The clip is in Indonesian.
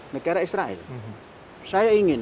negara israel saya ingin